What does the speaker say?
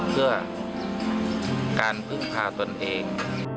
เพื่อการภึกภาวตนเอง